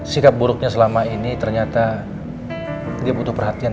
sikap buruknya selama ini ternyata dia butuh perhatian